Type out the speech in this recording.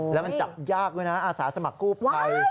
แล้วมันจับยากด้วยนะอาสาสมัครกู้ภัย